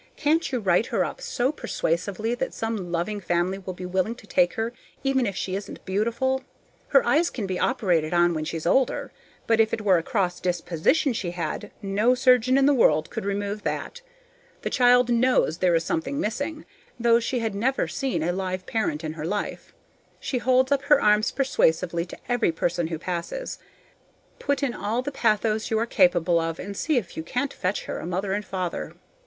Can't you write her up so persuasively that some loving family will be willing to take her even if she isn't beautiful? Her eyes can be operated on when she's older; but if it were a cross disposition she had, no surgeon in the world could remove that. The child knows there is something missing, though she has never seen a live parent in her life. She holds up her arms persuasively to every person who passes. Put in all the pathos you are capable of, and see if you can't fetch her a mother and father.